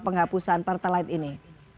penghapusan pertalite ini